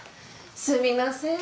すみません。